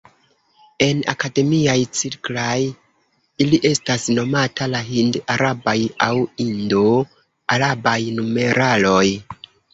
En akademiaj cirklaj ili estas nomata la "Hind-Arabaj" aŭ "Indo-Arabaj" numeraloj.